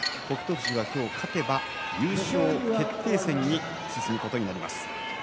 富士は今日勝てば優勝決定戦に進むことになります。